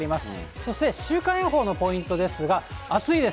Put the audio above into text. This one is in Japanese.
そして週間予報のポイントですが、暑いです。